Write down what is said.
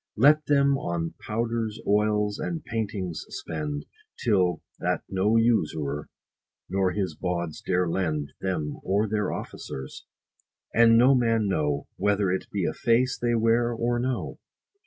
Let them on powders, oils, and paintings spend, Till that no usurer, nor his bawds dare lend Them or their officers ; and no man know, 70 Whether it be a face they wear or no.